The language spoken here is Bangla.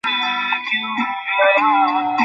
এই অবস্থায় মানুষের ধর্ম ছিল বহুদেববাদ।